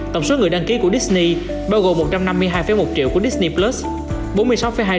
tổng số người đăng ký của disney bao gồm một trăm năm mươi hai một triệu của disney